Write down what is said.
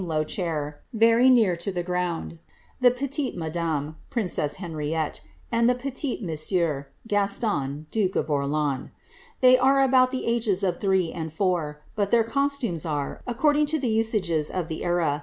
low chair, very near tlie ground, the petite Madtune ^princess Henriette) and the petit JMomieur (Gaston, duke of Orleans). They are about tlie as'es of three and four, but their costumes are, according to the usages of the era.